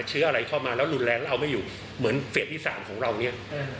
เชื้ออะไรเข้ามาแล้วรุนแรงแล้วเอาไม่อยู่เหมือนเฟสที่๓ของเราเนี่ย